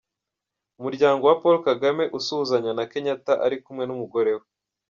Umuryango wa Paul Kagame usuhuzanya na Kenyatta ari kumwe n’umugore we.